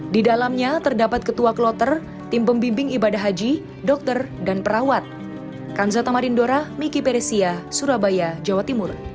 di dalamnya terdapat ketua kloter tim pembimbing ibadah haji dokter dan perawat